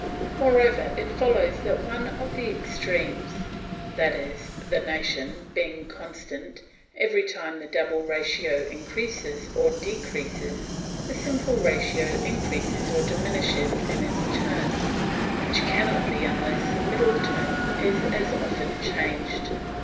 Moreover, it follows that one of the extremes, i.e., the nation, being constant, every time the double ratio increases or decreases, the simple ratio increases or diminishes in its turn; which cannot be unless the middle term is as often changed.